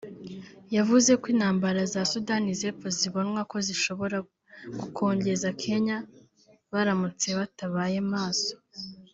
yavuze ko intambara za Sudani y’Epfo zibonwa ko zishobora gukongeza Kenya baramutse batabaye maso